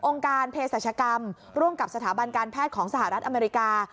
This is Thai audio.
การเพศรัชกรรมร่วมกับสถาบันการแพทย์ของสหรัฐอเมริกา